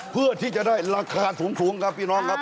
เพื่อที่จะได้ราคาสูงครับพี่น้องครับ